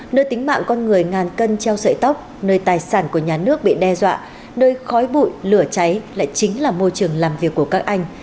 nơi tính mạng con người ngàn cân treo sợi tóc nơi tài sản của nhà nước bị đe dọa nơi khói bụi lửa cháy lại chính là môi trường làm việc của các anh